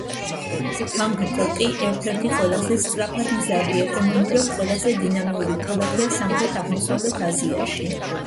ბანგკოკი ერთ-ერთი ყველაზე სწრაფად მზარდი, ეკონომიკურად ყველაზე დინამიური ქალაქია სამხრეთ-აღმოსავლეთ აზიაში.